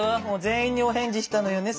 全員にお返事したのよね